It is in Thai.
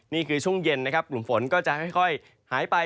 ในช่วงเย็นนะครับกลุ่มฝนก็จะค่อยหายไป